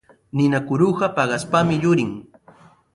Ninakuruqa paqaspami yurin.